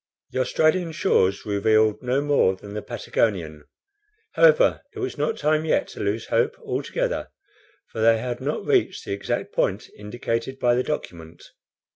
The Australian shores revealed no more than the Patagonian. However, it was not time yet to lose hope altogether, for they had not reached the exact point indicated by the document.